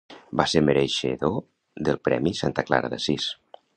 Va ser mereixedor del premi Santa Clara d'Assís.